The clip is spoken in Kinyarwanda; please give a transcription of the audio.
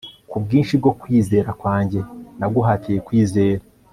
kubwinshi bwo kwizera kwanjye naguhatiye kwizera